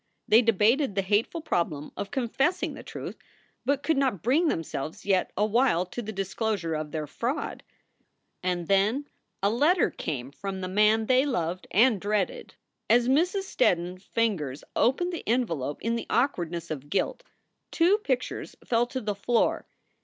They debated the hateful problem of confessing the truth, but could not bring themselves yet awhile to the disclosure of their fraud. And then a letter came from the man they loved and dreaded. As Mrs. Steddon s fingers opened the envelope in the awkwardness of guilt, two pictures fell to the floor.